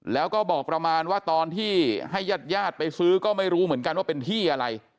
แล้วก็บอกประมาณว่าตอนที่ให้ญาติญาติไปซื้อก็ไม่รู้เหมือนกันว่าเป็นที่อะไร